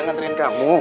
mereka ngantriin kamu